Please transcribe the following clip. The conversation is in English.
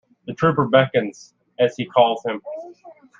The trooper beckons as he calls him.